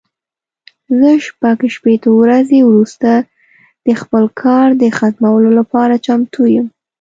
زه شپږ شپېته ورځې وروسته د خپل کار د ختمولو لپاره چمتو یم.